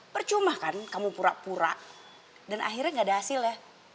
percuma kan kamu pura pura dan akhirnya gak ada hasil ya